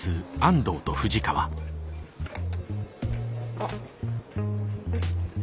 あっ。